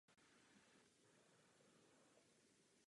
Severní hrana je ostrá.